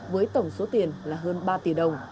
với tổng số tiền là hơn ba tỷ đồng